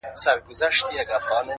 • ګوزاره دي په دې لږو پیسو کیږي؟ ,